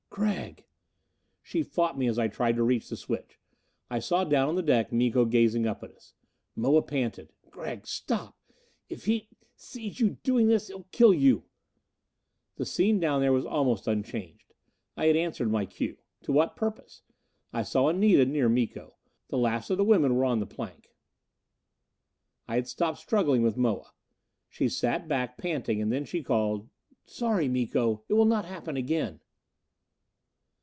"Gregg!" She fought me as I tried to reach the switch. I saw down on the deck Miko gazing up at us. Moa panted, "Gregg stop! If he sees you doing this, he'll kill you " The scene down there was almost unchanged. I had answered my cue. To what purpose? I saw Anita near Miko. The last of the women were on the plank. I had stopped struggling with Moa. She sat back, panting; and then she called: "Sorry, Miko. It will not happen again."